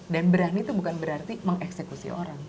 dan berani itu bukan berarti mengeksekusi orang